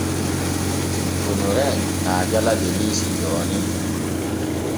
Onomrin na jala Denisi jooni.